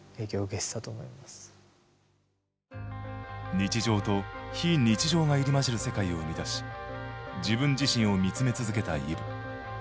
日常と非日常が入り混じる世界を生みだし自分自身を見つめ続けたＥｖｅ。